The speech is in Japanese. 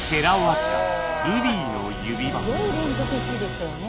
すごい連続１位でしたよね。